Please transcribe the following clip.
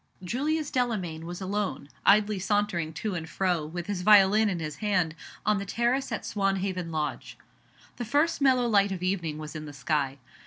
JULIUS DELAMAYN was alone, idly sauntering to and fro, with his violin in his hand, on the terrace at Swanhaven Lodge. The first mellow light of evening was in the sky.